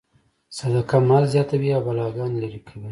صدقه مال زیاتوي او بلاګانې لرې کوي.